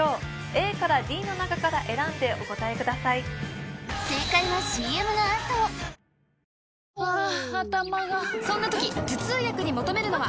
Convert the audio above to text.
ＡからＤの中から選んでお答えくださいハァ頭がそんな時頭痛薬に求めるのは？